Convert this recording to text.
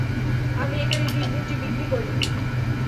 আমি এখানে ডিম রুটি বিক্রি করি।